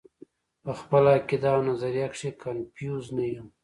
پۀ خپله عقيده او نظريه کښې کنفيوز نۀ يم -